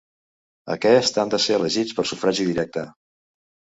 Aquests han de ser elegits per sufragi directe.